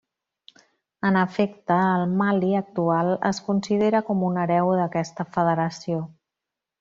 En efecte, el Mali actual es considera com un hereu d'aquesta federació.